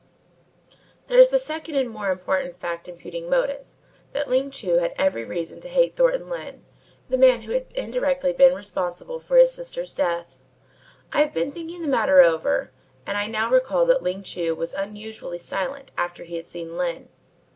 There is the second and more important fact imputing motive, that Ling Chu had every reason to hate Thornton Lyne, the man who had indirectly been responsible for his sister's death. I have been thinking the matter over and I now recall that Ling Chu was unusually silent after he had seen Lyne.